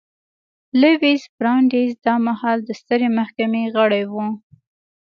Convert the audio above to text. لویس براندیز دا مهال د سترې محکمې غړی و.